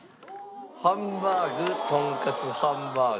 ハンバーグとんかつハンバーグと。